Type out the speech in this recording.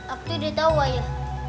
aku tidak tahu ayah